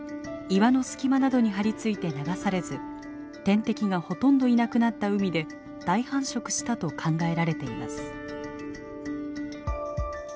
岩の隙間などに張り付いて流されず天敵がほとんどいなくなった海で大繁殖したと考えられています。